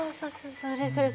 それそれ。